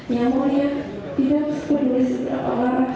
yang mulia tidak peduli seberapa larah